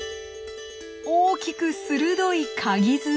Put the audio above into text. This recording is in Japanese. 大きく鋭いかぎ爪。